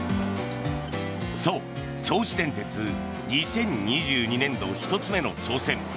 そう、銚子電鉄２０２２年度１つ目の挑戦